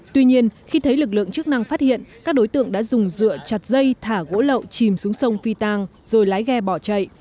tuy nhiên khi thấy lực lượng chức năng phát hiện các đối tượng đã dùng dựa chặt dây thả gỗ lậu chìm xuống sông phi tang rồi lái ghe bỏ chạy